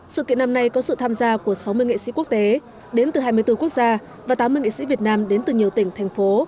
sự kiện năm nay có sự tham gia của sáu mươi nghệ sĩ quốc tế đến từ hai mươi bốn quốc gia và tám mươi nghệ sĩ việt nam đến từ nhiều tỉnh thành phố